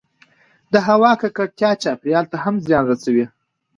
د هـوا کـکړتـيا چاپـېريال ته هم زيان رسـوي